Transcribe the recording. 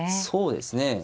そうですね。